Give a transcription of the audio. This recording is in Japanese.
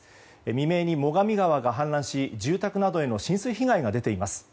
未明に最上川が氾濫し住宅などへの浸水被害が出ています。